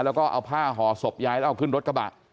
แล้วก็เอาผ้าห่อศพยายแล้วเอาขึ้นรถกระบะ